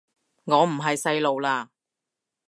我唔係細路喇